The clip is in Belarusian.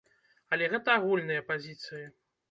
Але гэта агульныя пазіцыі.